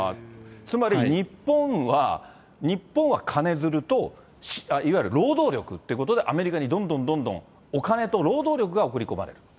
つまり、日本は、金づると、いわゆる労働力ってことで、アメリカにどんどんどんお金と労働力が送り込まれる。